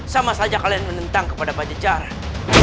sama saja kalian menentang kepada pacaran